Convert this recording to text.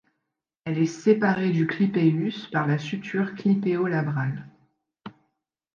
Elle est séparée du clypéus par la suture clipéo-labrale.